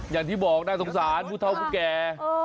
อย่างที่บอกน่าสงสารผู้เท่าผู้แก่